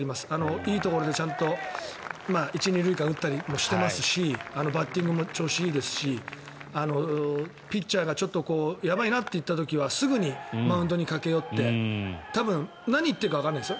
いいところでちゃんと１・２塁間打ったりもしてますしバッティングも調子がいいですしピッチャーがちょっとやばいなといった時はすぐにマウンドに駆け寄って多分、何を言ってるかわかりませんよ。